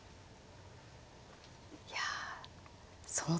いやその時から。